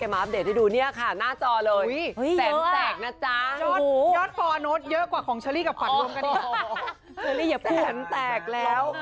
แสนแตกแล้ว